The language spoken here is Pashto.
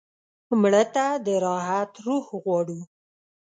مړه ته د راحت روح غواړو